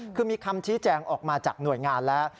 คือมีคำชี้แจงออกมาจากหน่วยงานแล้ว